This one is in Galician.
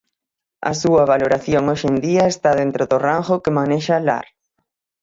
A súa valoración hoxe en día está dentro do rango que manexa Lar.